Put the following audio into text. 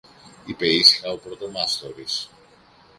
είπε ήσυχα ο πρωτομάστορης.